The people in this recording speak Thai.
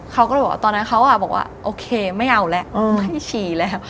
เขาก็เลยบอกว่าตอนนั้นเขาบอกว่าโอเคไม่เอาแล้วไม่ฉี่แล้ว